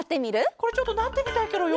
これちょっとなってみたいケロよ。